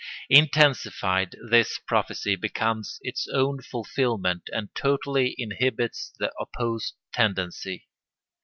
Intensified, this prophecy becomes its own fulfilment and totally inhibits the opposed tendency.